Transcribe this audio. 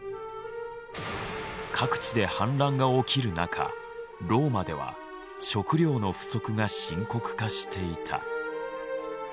各地で反乱が起きる中ローマでは食糧の不足が深刻化していた。